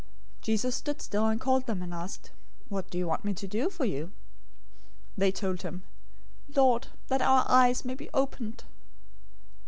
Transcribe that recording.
020:032 Jesus stood still, and called them, and asked, "What do you want me to do for you?" 020:033 They told him, "Lord, that our eyes may be opened."